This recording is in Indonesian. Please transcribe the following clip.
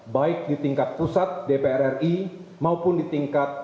baik di tingkat pusat dpr ri maupun di tingkat